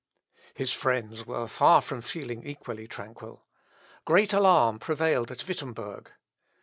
His friends were far from feeling equally tranquil. Great alarm prevailed at Wittemberg.